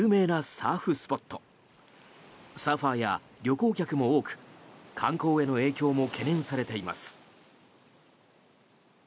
サーファーや旅行客も多く観光への影響も懸念されています。